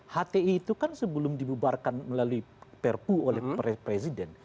hti itu kan sebelum dibubarkan melalui perpu oleh presiden